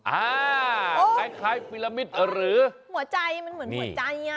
อ่าคล้ายฟิลมิตหรือหัวใจมันเหมือนหัวใจอ่ะ